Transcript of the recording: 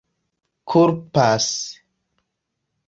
kulpas